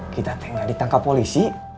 kita nggak ditangkap polisi